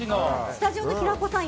スタジオの平子さん。